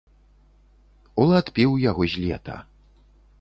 Улад піў яго з лета.